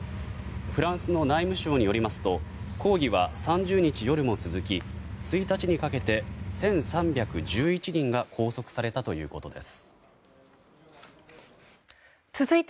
フランスの内務省によりますと抗議は３０日夜も続き１日にかけて１３１１人が拘束されたということです。